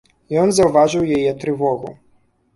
Ён заўважыў яе трывогу.